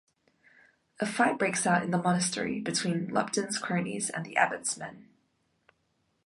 A fight breaks out in the monastery between Lupton's cronies and the Abbot's men.